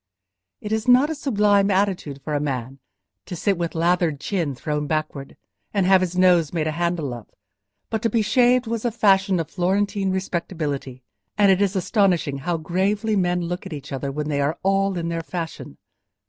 It is not a sublime attitude for a man, to sit with lathered chin thrown backward, and have his nose made a handle of; but to be shaved was a fashion of Florentine respectability, and it is astonishing how gravely men look at each other when they are all in the fashion.